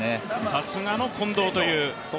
さすがの近藤という。